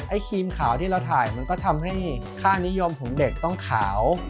ครีมขาวที่เราถ่ายมันก็ทำให้ค่านิยมของเด็กต้องขาว